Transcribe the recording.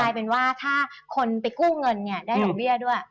เป็นว่าถ้าคนไปกู้เงินเนี่ยได้ดอกเบี้ยด้วย